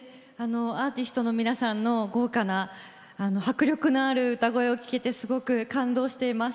アーティストの皆さんの豪華な迫力のある歌声を聴けてすごく感動しています。